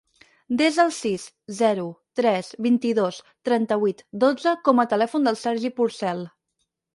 Desa el sis, zero, tres, vint-i-dos, trenta-vuit, dotze com a telèfon del Sergi Porcel.